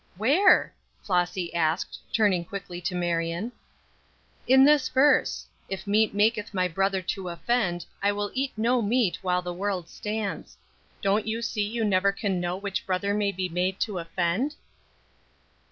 "Where?" Flossy asked, turning quickly to Marion. "In this verse: 'If meat maketh my brother to offend, I will eat no meat while the world stands.' Don't you see you never can know which brother may be made to offend?"